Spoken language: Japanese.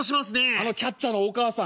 「あのキャッチャーのお母さん